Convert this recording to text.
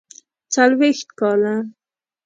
څلوېښت کاله.